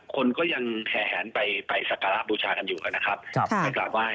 คนก็ยังแสนแสนไปสการบูชาครับอยู่ประการไหว้